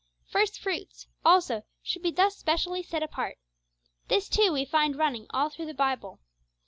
First fruits, also, should be thus specially set apart. This, too, we find running all through the Bible.